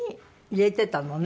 入れてたのね。